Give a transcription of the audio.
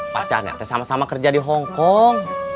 pacar sama sama kerja di hongkong